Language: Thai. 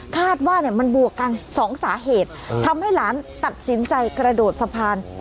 คาดว่ามันบวกกันสองสาเหตุทำให้หลานตัดสินใจกระโดดสะพาน